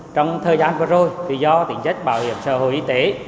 trong thời gian vừa rồi thì do tỉnh dắt bảo hiểm xã hội y tế